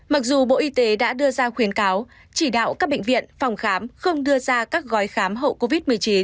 mặc dù bộ y tế đã đưa ra khuyến cáo chỉ đạo các bệnh viện phòng khám không đưa ra các gói khám hậu covid một mươi chín